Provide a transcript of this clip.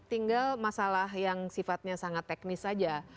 tinggal masalah yang sifatnya sangat teknis saja